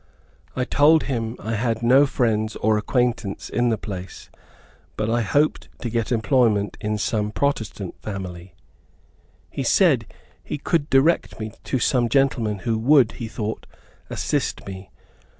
I told him I had no friends or acquaintance in the place, but I hoped to get employment in some protestant family. He said he could direct me to some gentlemen who would, he thought, assist me.